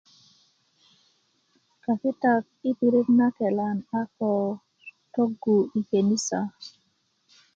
kakitak i pirit na kelan a ko tögu i kenisa